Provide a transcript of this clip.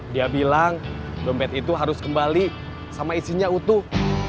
dia bilang dompet itu harus kembali sama isinya utuh